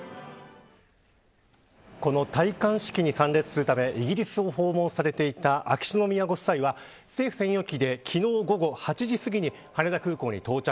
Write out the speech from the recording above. この戴冠式に参列するためイギリスを訪問されていた秋篠宮ご夫妻は政府専用機で昨日午後８時すぎに羽田空港に到着。